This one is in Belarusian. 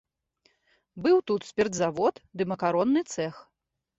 Быў тут спіртзавод ды макаронны цэх.